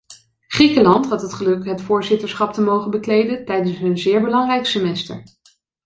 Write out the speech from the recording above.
Griekenland had het geluk het voorzitterschap te mogen bekleden tijdens een zeer belangrijk semester.